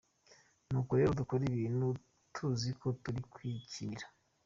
Nuko rero dukora ibintu tuziko turi kwikinira.